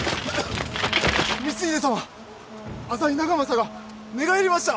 光秀様浅井長政が寝返りました！